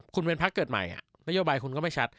คุณเป็นพักเกิดใหม่นโยบายคุณก็ไม่ชัด